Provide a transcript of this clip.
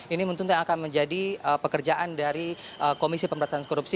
ini tentunya akan menjadi pekerjaan dari komisi pemberantasan korupsi